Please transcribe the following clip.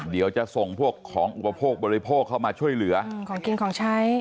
เดี๋ยวจะส่งพวกของอุปโภคบริโภคเข้ามาช่วยเหลือของกินของใช้